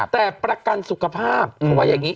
แต่ประกันสุขภาพเขาว่าอย่างนี้